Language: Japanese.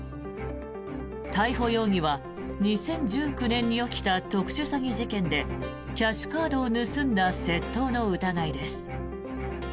逮捕容疑は、２０１９年に起きた特殊詐欺事件でキャッシュカードを盗んだ窃盗の疑いです。